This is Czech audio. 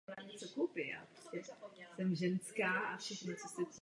Výběr je údajně náhodný.